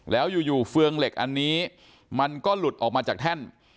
แล้วอยู่เฟืองเหล็กอันนี้มันก็หลุดออกมาจากแท่น